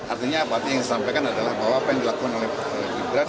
artinya apa yang disampaikan adalah bahwa apa yang dilakukan oleh gibran